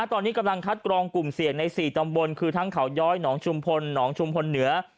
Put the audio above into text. ตอนนี้กำลังคัดกรองกลุ่มเสี่ยงใน๔ตำบลคือทั้งเขาย้อยหนองชุมพลหนองชุมพลเหนือ